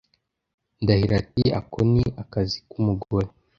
Ndahiro ati: "Ako ni akazi k'umugore."